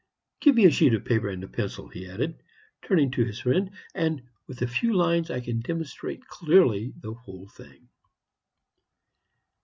"Give me a sheet of paper and a pencil," he added, turning to his friend, "and with a few lines I can demonstrate clearly the whole thing."